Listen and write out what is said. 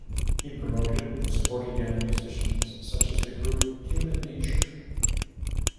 He promoted and supported young musicians, such as the group Human Nature.